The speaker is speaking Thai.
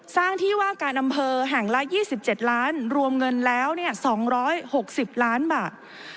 สร้างที่ว่าการดำเภอแห่งละยี่สิบเจ็ดล้านรวมเงินแล้วเนี้ยสองร้อยหกสิบล้านบาท